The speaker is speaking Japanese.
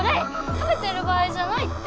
食べてる場合じゃないって！